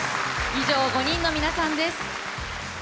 以上５人の皆さんです。